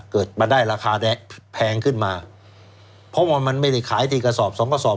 เกิดมาได้ราคาแพงขึ้นมาเพราะว่ามันไม่ได้ขายที่กระสอบสองกระสอบ